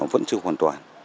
vẫn chưa hoàn toàn